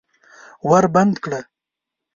ور بند کړه!